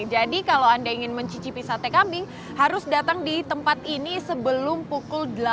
jadi kalau anda ingin mencicipi sate kambing harus datang di tempat ini sebelum pukul sepuluh